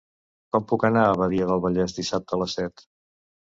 Com puc anar a Badia del Vallès dissabte a les set?